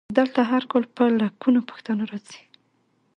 دلته هر کال په لکونو پښتانه راځي.